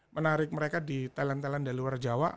menarik mereka di talent talent dari luar jawa